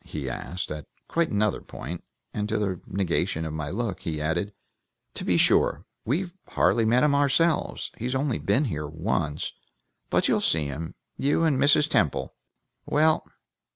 he asked, at quite another point, and to the negation of my look he added, "To be sure! We've hardly met him ourselves; he's only been here once; but you'll see him you and Mrs. Temple. Well!"